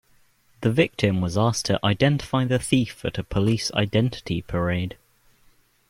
The victim was asked to identify the thief at a police identity parade